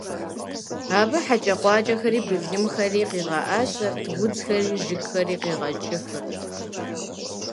Абы хьэкӀэкхъуэкӀэхэри, былымхэри къигъэӀэсэрт, удзхэри, жыгхэри къигъэкӀыфырт.